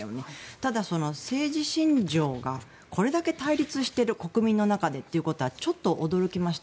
ただ、政治信条がこれだけ対立している国民の中でということはちょっと驚きました。